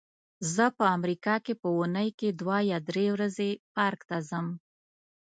زه په امریکا کې په اوونۍ کې دوه یا درې ورځې پارک ته ځم.